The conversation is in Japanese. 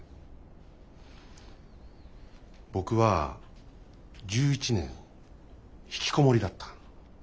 僕は１１年ひきこもりだった。